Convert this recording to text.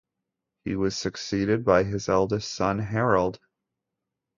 He was succeeded by his eldest son, Harold.